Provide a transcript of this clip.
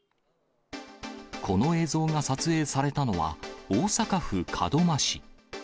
この映像が撮影されたのは、大阪府門真市。